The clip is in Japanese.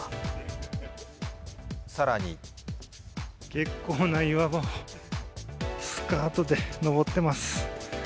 結構な岩場、スカートで登っています。